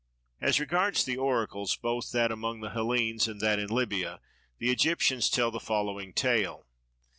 As regards the Oracles both that among the Hellenes and that in Libya, the Egyptians tell the following tale.